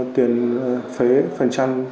tiền phế phần trăm